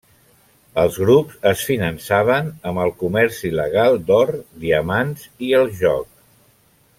Els grups es finançaven amb el comerç il·legal d'or, diamants i el joc.